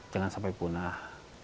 jangan sampai punah